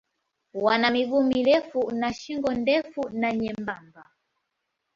Wana miguu mirefu na shingo ndefu na nyembamba.